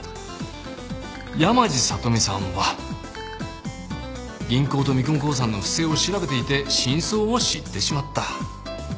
山路さとみさんは銀行と三雲興産の不正を調べていて真相を知ってしまった。